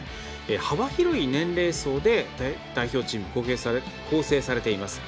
幅広い年齢層で代表チームは構成されています。